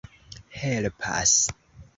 helpas